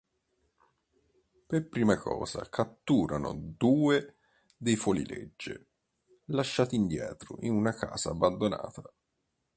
Per prima cosa catturano due dei fuorilegge, lasciati indietro in una casa abbandonata.